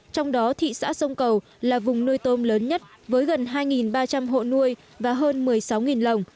trong đó thị xã sông cầu là vùng nuôi tôm lớn nhất với gần hai ba trăm linh hộ nuôi và hơn một mươi sáu lồng